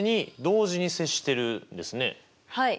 はい。